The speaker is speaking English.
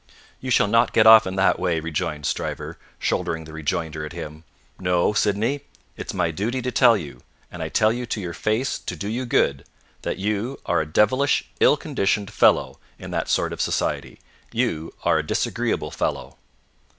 "You shall not get off in that way," rejoined Stryver, shouldering the rejoinder at him; "no, Sydney, it's my duty to tell you and I tell you to your face to do you good that you are a devilish ill conditioned fellow in that sort of society. You are a disagreeable fellow."